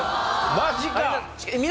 マジか？